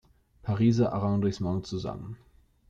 Pariser Arrondissement zusammen.